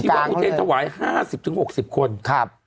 อาชีวะอุเทรนธวาย๕๐ถึง๖๐คนครับ